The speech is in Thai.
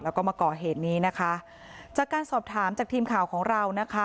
แล้วก็มาก่อเหตุนี้นะคะจากการสอบถามจากทีมข่าวของเรานะคะ